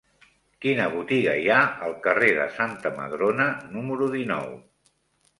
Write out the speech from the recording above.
Quina botiga hi ha al carrer de Santa Madrona número dinou?